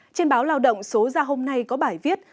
trên báo lao động số ra hôm nay có bài viết